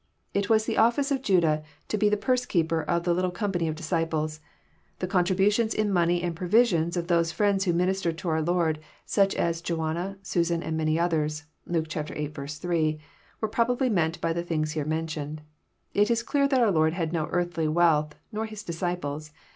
It was the office of Jadas to be the parse keeper of the little company of disciples. The contribations in money and prorisions of those friends who ministered to our Lord, such as Joanna, Susanna, and many others^,*' (Luke viii. 3,) were probably meant by the things here mentioned. It is clear that oar Lord had no earthly wealth, nor His disciples.